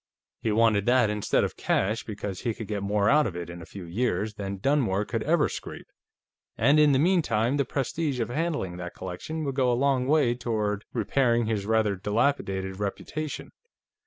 He wanted that instead of cash, because he could get more out of it, in a few years, than Dunmore could ever scrape, and in the meantime, the prestige of handling that collection would go a long way toward repairing his rather dilapidated reputation.